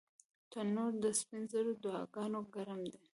تنور د سپین زرو د دعاګانو ګرم دی